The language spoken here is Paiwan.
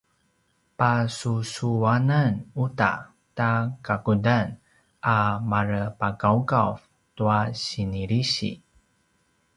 pasusuanan uta ta kakudan a marepagaugav tua sinilisi